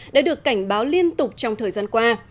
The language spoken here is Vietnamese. đã được cảnh báo liên tục trong thời gian qua